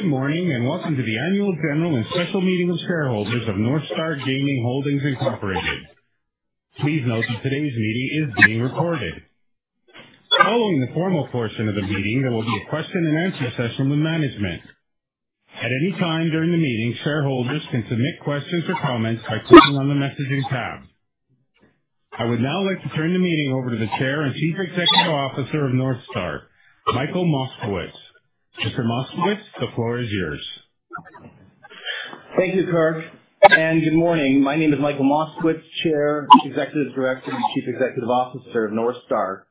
Good morning and welcome to the annual general and special meeting of shareholders of NorthStar Gaming Holdings Incorporated. Please note that today's meeting is being recorded. Following the formal portion of the meeting, there will be a question and answer session with management. At any time during the meeting, shareholders can submit questions or comments by clicking on the messaging tab. I would now like to turn the meeting over to the Chair and Chief Executive Officer of NorthStar, Michael Moskowitz. Mr. Moskowitz, the floor is yours. Thank you, Kirk. Good morning. My name is Michael Moskowitz, Chair, Executive Director, and Chief Executive Officer of NorthStar.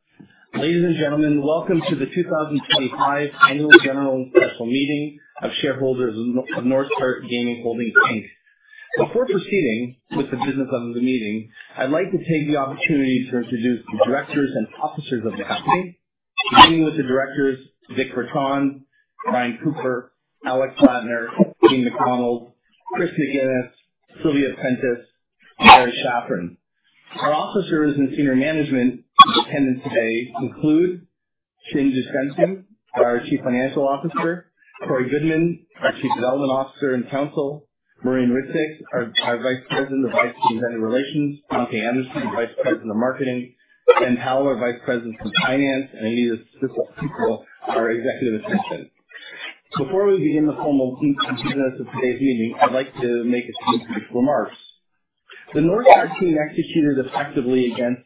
Ladies and gentlemen, welcome to the 2025 annual general and special meeting of shareholders of NorthStar Gaming Holdings Inc. Before proceeding with the business of the meeting, I'd like to take the opportunity to introduce the directors and officers of the company, beginning with the directors: Dirk Bergman, Brian Cooper, Alex Latner, Dean MacDonald, Chris McGinnis, Sylvia Prentice, and Larry Schafran. Our officers and senior management attending today include Chin Dhushenthen, our Chief Financial Officer, Corey Goodman, our Chief Development Officer and Counsel, Maureen Rizzi, our Vice President of Operations and Vendor Relations, Dante Anderson, Vice President of Marketing, Ben Powell, our Vice President of Finance, and Amelia Cecil, our Executive Assistant. Before we begin the formal business of today's meeting, I'd like to make a few brief remarks. The NorthStar team executed effectively against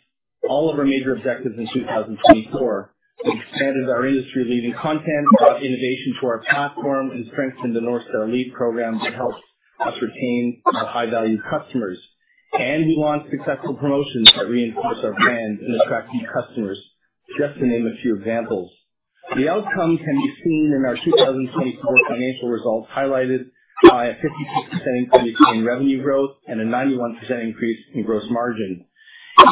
all of our major objectives in 2024. We expanded our industry-leading content, brought innovation to our platform, and strengthened the NorthStar Elite program that helps us retain our high-value customers, and we launched successful promotions that reinforce our brand and attract new customers, just to name a few examples. The outcome can be seen in our 2024 financial results highlighted by a 52% increase in revenue growth and a 91% increase in gross margin.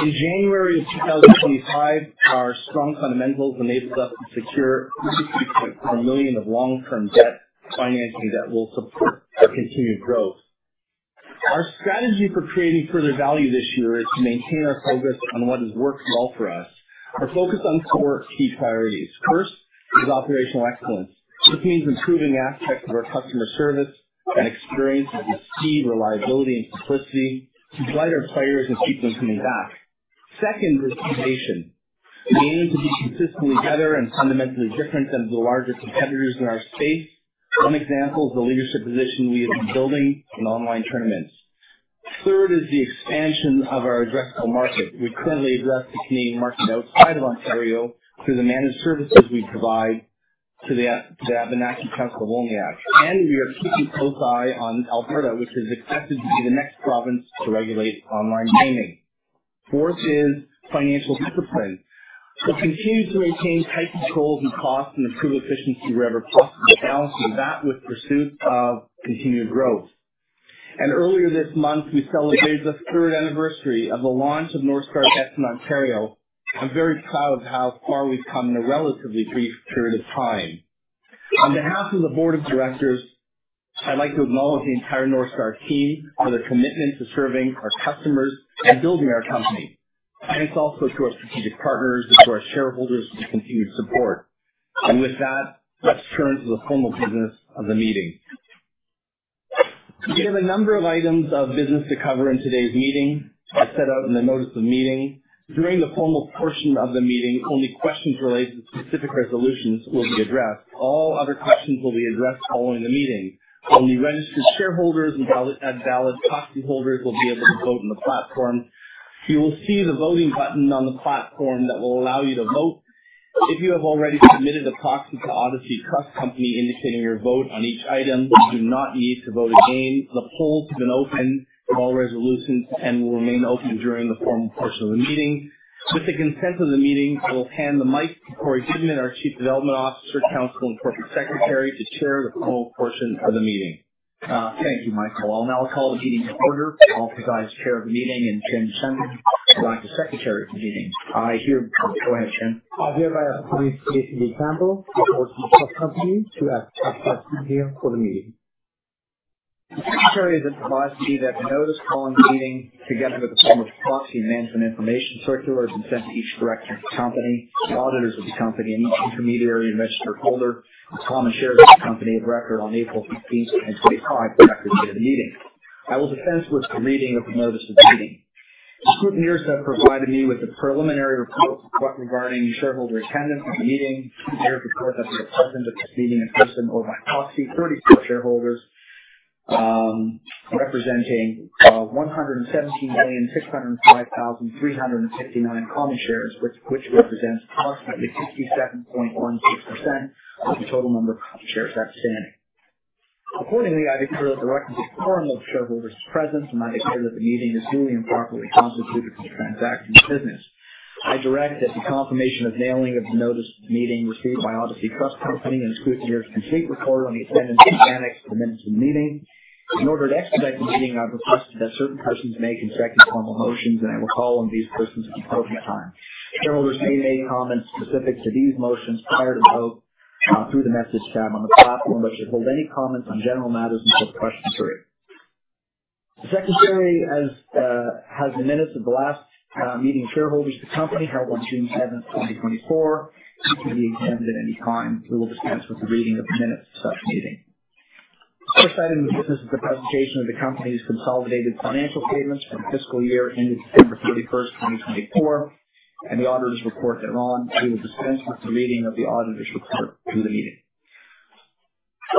In January of 2025, our strong fundamentals enabled us to secure 63.4 million of long-term debt financing that will support our continued growth. Our strategy for creating further value this year is to maintain our focus on what has worked well for us. We're focused on four key priorities. First is operational excellence. This means improving aspects of our customer service and experience with speed, reliability, and simplicity to delight our players and keep them coming back. Second is innovation. We aim to be consistently better and fundamentally different than the larger competitors in our space. One example is the leadership position we have been building in online tournaments. Third is the expansion of our addressable market. We currently address the Canadian market outside of Ontario through the managed services we provide to the Abenaki Council of Wolinak. And we are keeping a close eye on Alberta, which is expected to be the next province to regulate online gaming. Fourth is financial discipline. We'll continue to maintain tight controls and costs and improve efficiency wherever possible, balancing that with pursuit of continued growth. And earlier this month, we celebrated the third anniversary of the launch of NorthStar Bets on Ontario. I'm very proud of how far we've come in a relatively brief period of time. On behalf of the board of directors, I'd like to acknowledge the entire NorthStar team for their commitment to serving our customers and building our company. Thanks also to our strategic partners and to our shareholders for the continued support. And with that, let's turn to the formal business of the meeting. We have a number of items of business to cover in today's meeting. As set out in the notice of the meeting, during the formal portion of the meeting, only questions related to specific resolutions will be addressed. All other questions will be addressed following the meeting. Only registered shareholders and valid proxy holders will be able to vote on the platform. You will see the voting button on the platform that will allow you to vote. If you have already submitted a proxy to Odyssey Trust Company indicating your vote on each item, you do not need to vote again. The polls have been open to all resolutions and will remain open during the formal portion of the meeting. With the consent of the meeting, I will hand the mic to Corey Goodman, our Chief Development Officer, Counsel, and Corporate Secretary to chair the formal portion of the meeting. Thank you, Michael. I'll now call the meeting to order. I'll provide chair of the meeting and Chin Dhusent to act as secretary of the meeting. I hear, go ahead, Chin. I hereby appoint Jason D'Haene of Odyssey Trust Company to act as secretary for the meeting. The secretary has advised me that the notice of the meeting, together with a form of proxy, Management Information Circular, has been sent to each director of the company, auditors of the company, and each intermediary and registered holder of Common Shares of the company of record on April 16th, the record date of the meeting. I will dispense with the reading of the notice of the meeting. The Scrutineers have provided me with a preliminary report regarding shareholder attendance at the meeting. They have reported that the presence at this meeting in person or by proxy: 34 shareholders representing 117,605,359 Common Shares, which represents approximately 67.16% of the total number of Common Shares outstanding. Accordingly, I declare a quorum of shareholders present, and I declare that the meeting is duly and properly constituted for the transaction of business. I direct that the confirmation of mailing of the notice of the meeting, received by Odyssey Trust Company and the scrutineers' complete record of the attendance, be annexed to the minutes of the meeting. In order to expedite the meeting, I've requested that certain persons may consent to formal motions, and I will call on these persons at the appropriate time. Shareholders may make comments specific to these motions prior to vote through the message tab on the platform, but should hold any comments on general matters until the question period. The secretary has the minutes of the last meeting of shareholders of the company held on June 7th, 2024. These can be examined at any time. We will dispense with the reading of the minutes of such meeting. First item of business is the presentation of the company's consolidated financial statements from fiscal year ended December 31st, 2024, and the auditors' report thereon. We will dispense with the reading of the auditors' report through the meeting.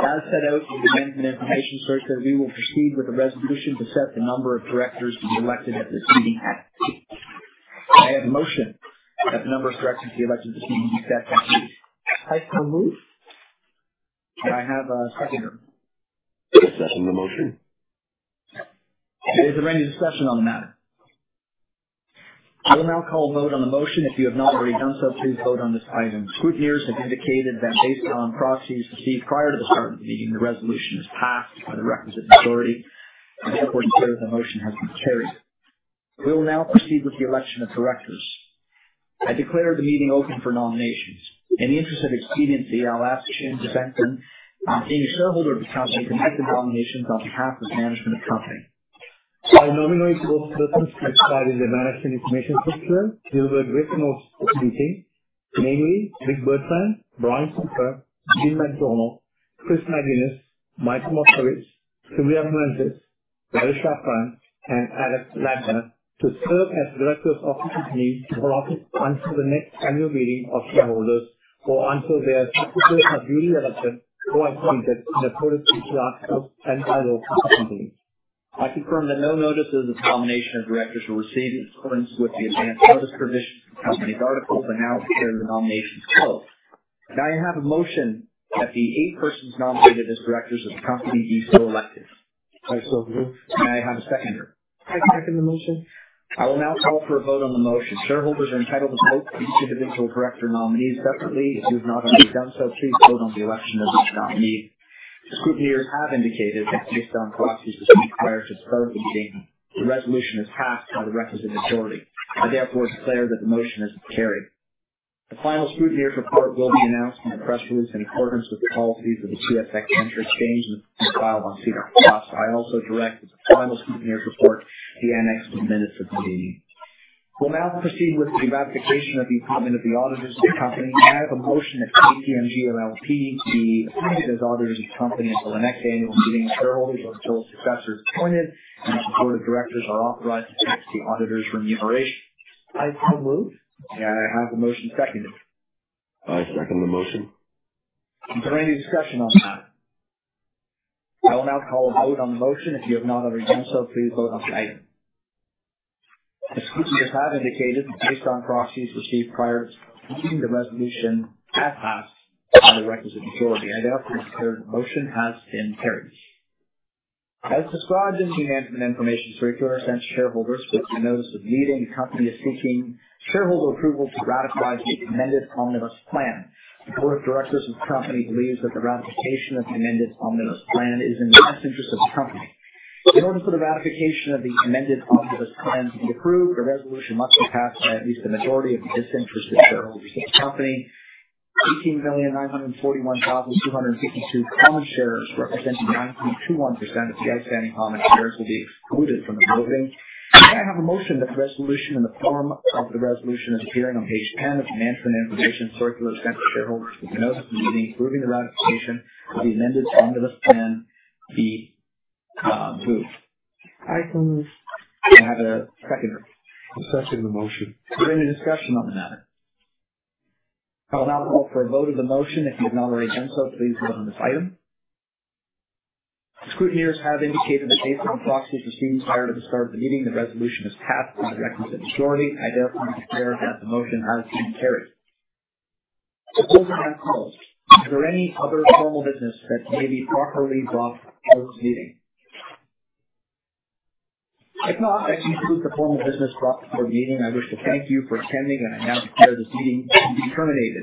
As set out in the Management Information Circular, we will proceed with a resolution to set the number of directors to be elected at this meeting at. I have a motion that the number of directors to be elected at this meeting be set at. I call the move. I have a seconder. Second the motion. Is there any discussion on the matter? I will now call vote on the motion. If you have not already done so, please vote on this item. Scrutineers have indicated that based on proxies received prior to the start of the meeting, the resolution is passed by the requisite majority. Therefore, the motion has been carried. We will now proceed with the election of directors. I declare the meeting open for nominations. In the interest of expediency, I'll ask Chin Dhusent and the senior shareholders of the company to make the nominations on behalf of management of the company. I nominate both persons to exercise the Management Information Circular. Gilbert Ritten of Odyssey, namely Dirk Bergman, Brian Cooper, Dean MacDonald, Chris McGinnis, Michael Moskowitz, Sylvia Prentice, Larry Schafran, and Alex Latner, to serve as directors of the company until the next annual meeting of shareholders or until their successors are duly elected or appointed in accordance with the articles and bylaws of the company. I confirm that no notices of the nomination of directors are received. This accords with the advanced notice provision for the company's articles. I now declare the nominations closed. Now I have a motion that the eight persons nominated as directors of the company be so elected. I so move. May I have a seconder? I second the motion. I will now call for a vote on the motion. Shareholders are entitled to vote for each individual director nominee separately. If you have not already done so, please vote on the election of each nominee. The scrutineers have indicated that based on proxies received prior to the start of the meeting, the resolution is passed by the requisite majority. I therefore declare that the motion has been carried. The final scrutineer's report will be announced in the press release in accordance with the policies of the TSX Venture Exchange and as filed on SEDAR+. I also direct that the final scrutineer's report be annexed to the minutes of the meeting. We'll now proceed with the ratification of the appointment of the auditors of the company. I have a motion that KPMG LLP be appointed as auditors of the company until the next annual meeting of shareholders or until a successor is appointed, and that the directors be authorized to fix the auditor's remuneration. I so move, and I have a motion seconded. I second the motion. Is there any discussion on that? I will now call a vote on the motion. If you have not already done so, please vote on this item. The Scrutineers have indicated that, based on proxies received, the resolution has passed by the requisite majority. I therefore declare the motion has been carried. As described in the Management Information Circular sent to shareholders with the notice of the meeting, the company is seeking shareholder approval to ratify the Amended Omnibus Plan. The board of directors of the company believes that the ratification of the Amended Omnibus Plan is in the best interest of the company. In order for the ratification of the Amended Omnibus Plan to be approved, the resolution must be passed by at least the majority of the disinterested shareholders of the company. 18,941,252 Common Shares representing 9.21% of the outstanding Common Shares will be excluded from the voting. May I have a motion that the resolution in the form of the resolution as appearing on page 10 of the Management Information Circular sent to shareholders with the notice of the meeting approving the ratification of the Amended Omnibus Plan be moved? I so move. I have a seconder. I second the motion. Is there any discussion on the matter? I will now call for a vote of the motion. If you have not already done so, please vote on this item. The scrutineers have indicated that based on the proxies received prior to the start of the meeting, the resolution is passed by the requisite majority. I therefore declare that the motion has been carried. The floor is now closed. Is there any other formal business that may be properly brought before this meeting? If not, that concludes the formal business brought before the meeting. I wish to thank you for attending, and I now declare this meeting to be terminated.